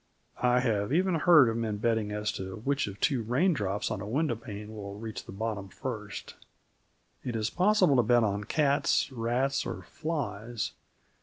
I have even heard of men betting as to which of two raindrops on a window pane will reach the bottom first. It is possible to bet on cats, rats or flies.